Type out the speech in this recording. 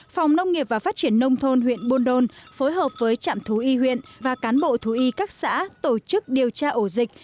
phòng nông nghiệp và phát triển nông thôn huyện buôn đôn phối hợp với trạm thú y huyện và cán bộ thú y các xã tổ chức điều tra ổ dịch